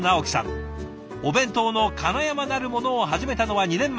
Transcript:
「お弁当のかなやま」なるものを始めたのは２年前。